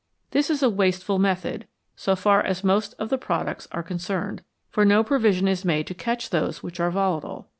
This is a wasteful method, so far as most of the products are con cerned, for no provision is made to catch those which are volatile.